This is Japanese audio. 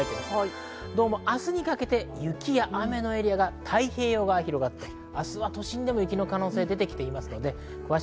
明日にかけて雪や雨のエリアが太平洋側へ広がって、明日は都心でも雪の可能性が出てきています。